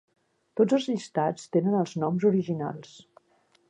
Tots els llistats tenen els noms originals.